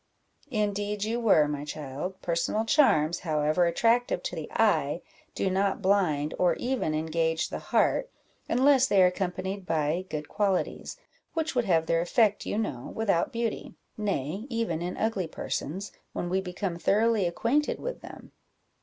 "Indeed you were, my child; personal charms, however attractive to the eye, do not blind, or even engage the heart, unless they are accompanied by good qualities, which would have their effect, you know, without beauty nay, even in ugly persons, when we become thoroughly acquainted with them.